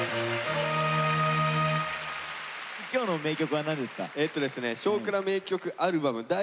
今日の名曲は何ですか？